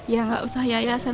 ya nggak usah ya ya